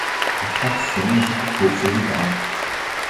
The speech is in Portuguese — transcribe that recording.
A facção executou seu rival